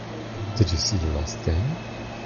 Did you see the last game?